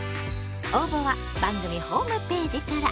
応募は番組ホームページから。